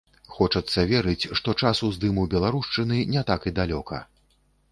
Хочацца верыць, што час уздыму беларушчыны не так і далёка.